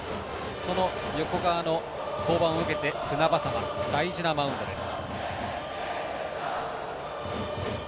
その横川の降板を受けて、船迫大事なマウンドです。